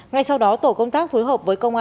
ngay sau đó tổ công tác phối hợp với công an